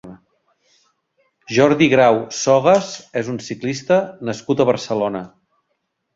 Jordi Grau Sogas és un ciclista nascut a Barcelona.